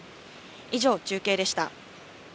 以上、中継でした。